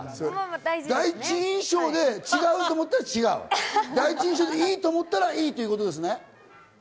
第一印象で違うと思ったら違う、いいと思ったらいいってことですね。